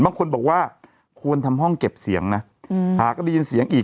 บางคนบอกว่าควรทำห้องเก็บเสียงนะหากได้ยินเสียงอีก